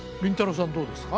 さんどうですか？